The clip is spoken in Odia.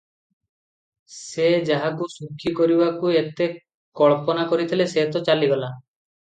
ସେ ଯାହାକୁ ସୁଖୀ କରିବାକୁ ଏତେ କଳ୍ପନା କରିଥିଲେ, ସେ ତ ଚାଲିଗଲା ।